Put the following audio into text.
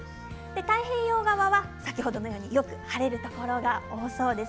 太平洋側は先ほどのようによく晴れるところが多そうです。